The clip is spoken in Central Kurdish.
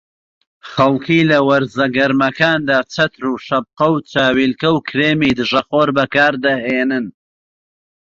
خەڵکی لە وەرزە گەرمەکاندا چەتر و شەپقە و چاویلکە و کرێمی دژەخۆر بەکاردەهێنن